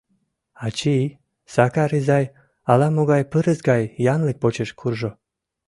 — Ачий, Сакар изай ала-могай пырыс гай янлык почеш куржо.